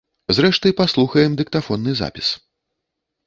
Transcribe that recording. Зрэшты, паслухаем дыктафонны запіс.